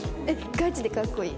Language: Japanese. ガチでかっこいい。